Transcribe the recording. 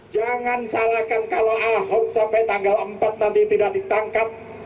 jangan salahkan kalau ahok sampai tanggal empat nanti tidak ditangkap